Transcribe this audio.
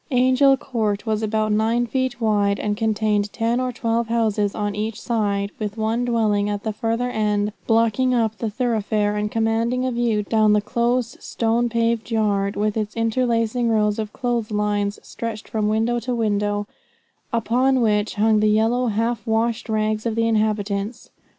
Angel Court was about nine feet wide, and contained ten or twelve houses on each side, with one dwelling at the further end, blocking up the thoroughfare, and commanding a view down the close, stone paved yard, with its interlacing rows of clothes lines stretched from window to window, upon which hung the yellow, half washed rags of the inhabitants.